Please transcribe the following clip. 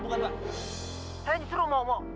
saya yang disuruh ngomong